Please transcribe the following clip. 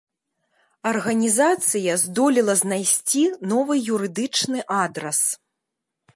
Арганізацыя здолела знайсці новы юрыдычны адрас.